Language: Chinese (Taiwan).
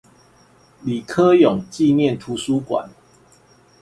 李科永紀念圖書館